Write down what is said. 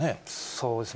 そうですね。